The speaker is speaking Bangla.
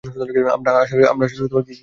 আমরা আসলে কী করতে যাচ্ছি?